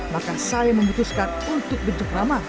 maka saya memutuskan untuk bentuk ramah